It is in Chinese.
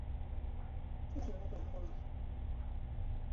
而且这还有利于日后获取英属哥伦比亚。